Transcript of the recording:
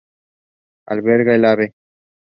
He wrote to the Hon.